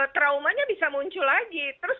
traumanya bisa muncul lagi terus